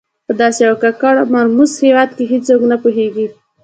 په داسې یو ککړ او مرموز هېواد کې هېڅوک نه پوهېږي.